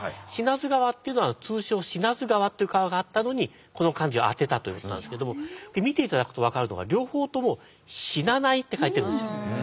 不死川っていうのは通称シナズガワって川があったのにこの漢字を当てたということなんですけども見ていただくと分かるのが両方とも「死なない」って書いているんですよ。